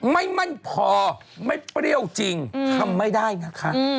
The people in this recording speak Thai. ไม่มั่นพอไม่เปรี้ยวจริงทำไม่ได้นะคะ